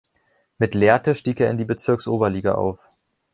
Mit Lehrte stieg er in die Bezirksoberliga auf.